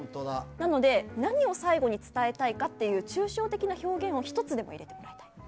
なので、何を最後に伝えたいかという抽象的な表現を１つでも入れてくれないと。